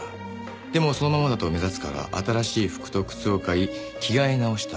でもそのままだと目立つから新しい服と靴を買い着替え直した。